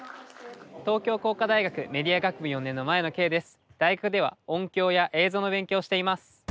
東京工科大学メディア学部４年の前野敬です。